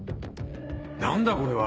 何だこれは。